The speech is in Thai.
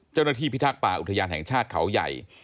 เจ้าหน้าที่พิทักษ์ป่าอุทยานแห่งชาติเขาใหญ่